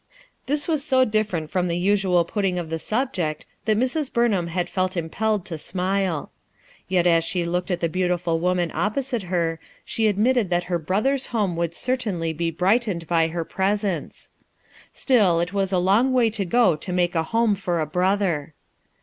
This was so different from the usual putting of the subject that Mrs. Burnham had felt impelled to smile. Yet as she looked at the beautiful woman opposite her she admitted that her brother's home would certainly be brightened by. her presence. Still, it was a long way to go to make a home for a brother.